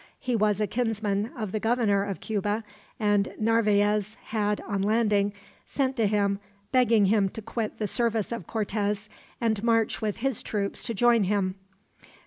He was a kinsman of the Governor of Cuba, and Narvaez had, on landing, sent to him begging him to quit the service of Cortez, and march with his troops to join him.